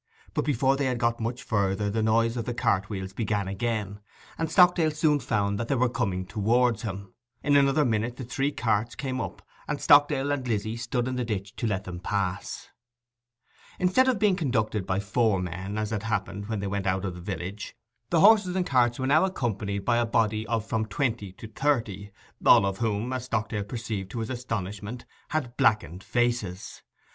But before they had got much further the noise of the cartwheels began again; and Stockdale soon found that they were coming towards him. In another minute the three carts came up, and Stockdale and Lizzy stood in the ditch to let them pass. Instead of being conducted by four men, as had happened when they went out of the village, the horses and carts were now accompanied by a body of from twenty to thirty, all of whom, as Stockdale perceived to his astonishment, had blackened faces.